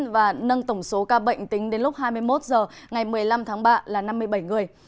và nâng tổng số ca bệnh tính đến lúc hai mươi một h ngày một mươi năm tháng ba là năm mươi bảy người